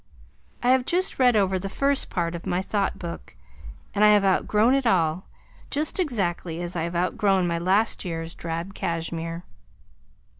I have just read over the first part of my Thought Book and I have outgrown it all, just exactly as I have outgrown my last year's drab cashmere.